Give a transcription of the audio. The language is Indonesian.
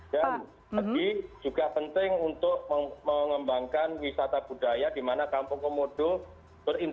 dan lagi juga penting untuk mengembangkan wisata budaya di mana kampung komodo berinteraksi komodo